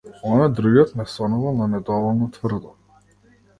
Оној другиот ме сонувал, но недоволно тврдо.